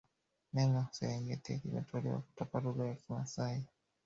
neno serengeti limetoholewa kutoka lugha ya kimasai